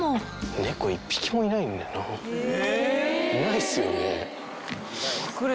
猫１匹もいないんだよな、いないっすよね。